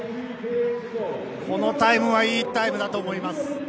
このタイムはいいタイムだと思います。